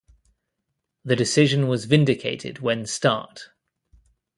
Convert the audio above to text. The decision was vindicated when Start!